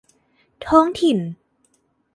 ท้องถิ่น